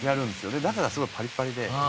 だからすごいパリパリで。